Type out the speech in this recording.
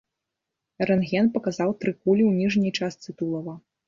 Рэнтген паказаў тры кулі ў ніжняй частцы тулава.